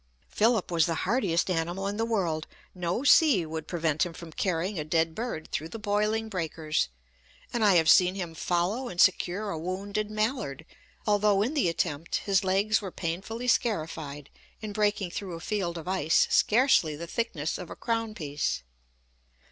Philip was the hardiest animal in the world no sea would prevent him from carrying a dead bird through the boiling breakers, and I have seen him follow and secure a wounded mallard, although in the attempt his legs were painfully scarified in breaking through a field of ice scarcely the thickness of a crown piece.